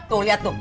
tuh lihat tuh